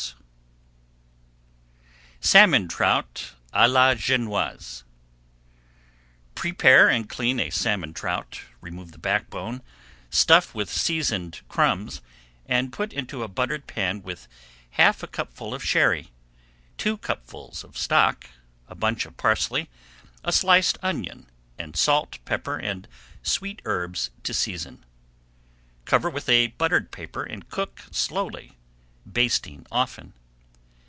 [Page 310] SALMON TROUT À LA GENOISE Prepare and clean a salmon trout, remove the backbone, stuff with seasoned crumbs, and put into a buttered pan with half a cupful of Sherry, two cupfuls of stock, a bunch of parsley, a sliced onion, and salt, pepper, and sweet herbs to season. Cover with a buttered paper and cook slowly, basting often.